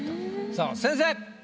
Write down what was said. さあ先生！